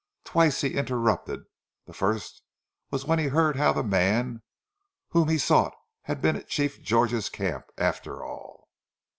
Twice he interrupted. The first time was when he heard how the man whom he sought had been at Chief George's camp after all.